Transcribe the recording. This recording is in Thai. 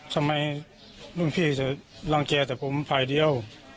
ทำไมรุ่นพี่จะรังแก่แต่ผมฝ่ายเดียว